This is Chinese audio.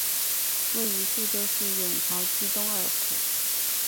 位于宿州市埇桥区东二铺。